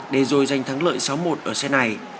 để rồi giành thắng lợi sáu một ở xe này